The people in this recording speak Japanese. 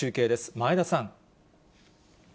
前田さん。